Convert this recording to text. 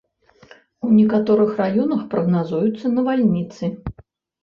У некаторых раёнах прагназуюцца навальніцы.